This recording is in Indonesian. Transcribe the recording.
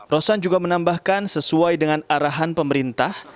rosan juga menambahkan sesuai dengan arahan pemerintah